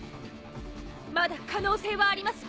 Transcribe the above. まだ可能性はありますわ。